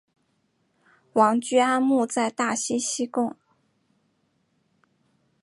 王居安墓在大溪西贡。